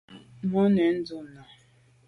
Màa nèn ndù’ nà.